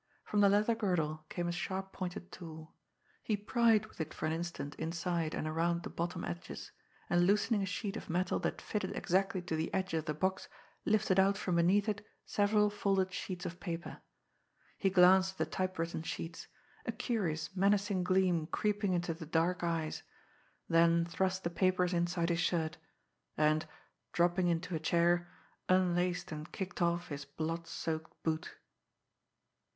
From the leather girdle came a sharp pointed tool. He pried with it for an instant inside and around the bottom edges, and loosening a sheet of metal that fitted exactly to the edges of the box, lifted out from beneath it several folded sheets of paper. He glanced at the typewritten sheets, a curious, menacing gleam creeping into the dark eyes, then thrust the papers inside his shirt; and, dropping into a chair, unlaced and kicked off his blood soaked boot.